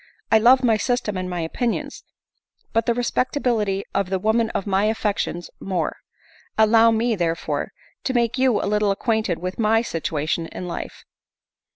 I love my system and my opinions, but the respectability of the woman of my affections more. Allow me, there fore, to make you a little acquainted with my situation in life.